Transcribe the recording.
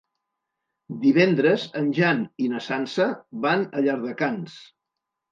Divendres en Jan i na Sança van a Llardecans.